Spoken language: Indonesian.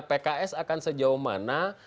pks akan sejauh mana